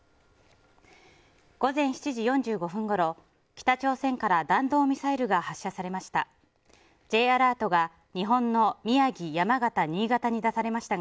午前７時４５分ごろ、北朝鮮から弾道ミサイルが発射されました。